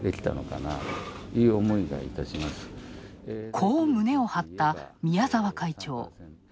こう胸を張った宮沢会長。